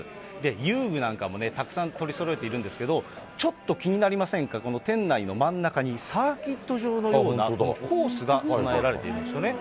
遊具なんかもたくさん取りそろえているんですけれども、ちょっと気になりませんか、この店内の真ん中に、サーキット場のようなコースが備えられているんですよね。